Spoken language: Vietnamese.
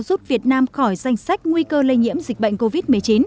giúp việt nam khỏi danh sách nguy cơ lây nhiễm dịch bệnh covid một mươi chín